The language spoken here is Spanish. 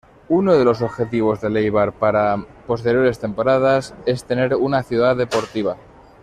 Uno de los objetivos del Eibar para posteriores temporadas es tener una Ciudad Deportiva.